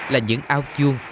là những ao chuông